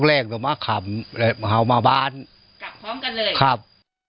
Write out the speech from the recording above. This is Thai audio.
กลับพร้อมกันเลยครับ